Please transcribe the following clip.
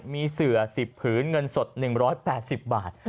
มีเสือ๑๐ผืนเงินสด๑๘๐บาท